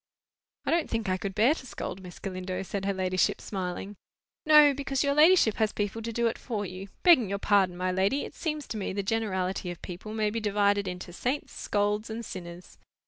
"I don't think I could bear to scold, Miss Galindo," said her ladyship, smiling. "No! because your ladyship has people to do it for you. Begging your pardon, my lady, it seems to me the generality of people may be divided into saints, scolds, and sinners.